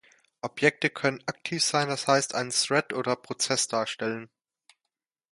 Objekte können "aktiv" sein, das heißt einen Thread oder Prozess darstellen.